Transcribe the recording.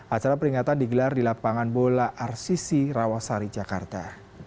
acara peringatan digelar di lapangan bola rcc rawasari jakarta